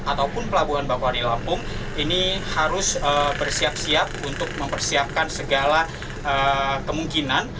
ataupun pelabuhan bakwari lampung ini harus bersiap siap untuk mempersiapkan segala kemungkinan